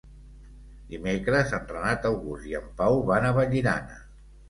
Dimecres en Renat August i en Pau van a Vallirana.